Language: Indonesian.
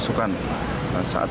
kemudian terjadi penyelamat